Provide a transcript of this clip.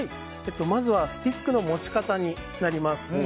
まずスティックの持ち方になります。